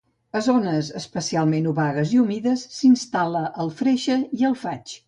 A zones especialment obagues i humides, s'instal·la el freixe i el faig.